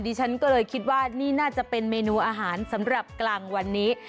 ฉันก็เลยคิดว่านี่น่าจะเป็นเมนูอาหารสำหรับกลางวันนี้